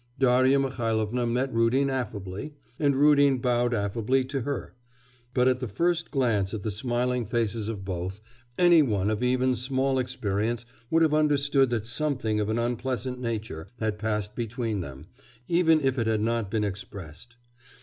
Darya Mihailovna met Rudin affably, and Rudin bowed affably to her; but at the first glance at the smiling faces of both, any one of even small experience would have understood that something of an unpleasant nature had passed between them, even if it had not been expressed.